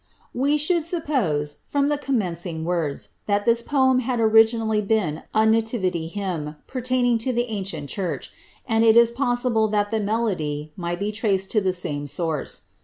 '* We should suppose, from the commencing words, that this poem had originally been a Nativity hymn, pertaining to the ancient church, and it is possible that the melody might be traced to the same source.